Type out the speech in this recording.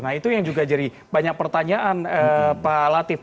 nah itu yang juga jadi banyak pertanyaan pak latif